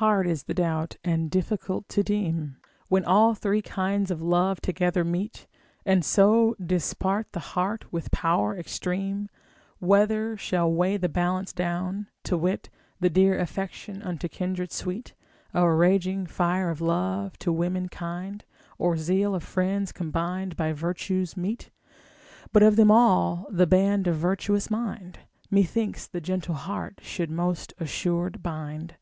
Hard is the doubt, and difficult to deem, When all three kinds of love together meet; And do dispart the heart with power extreme, Whether shall weigh the balance down; to wit, The dear affection unto kindred sweet, Or raging fire of love to women kind, Or zeal of friends, combin'd by virtues meet; But of them all the band of virtuous mind, Methinks the gentle heart should most assured bind.